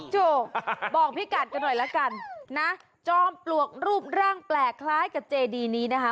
ถูกบอกพี่กัดกันหน่อยละกันนะจอมปลวกรูปร่างแปลกคล้ายกับเจดีนี้นะคะ